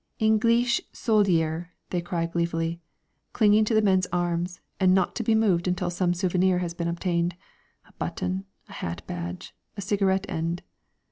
"Eengleesh soldyer," they cry gleefully, clinging to the men's arms and not to be moved until some souvenir has been obtained, a button, a hat badge, a cigarette end.